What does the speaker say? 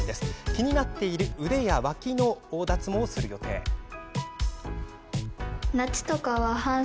気になっている腕や脇の脱毛をする予定です。